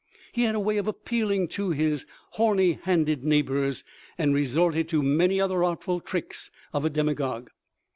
He had a way of appealing to "his horny handed neighbors," and resorted to many other artful tricks of a demagogue.